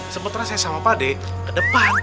sementara saya sama pak de ke depan